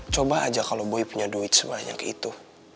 coba aja kalau boy punya duit sebanyak itu